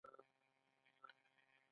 د روغتیا محلي ادارې طرحه وننګوله.